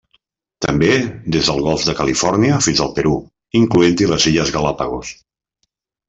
També des del Golf de Califòrnia fins al Perú, incloent-hi les Illes Galápagos.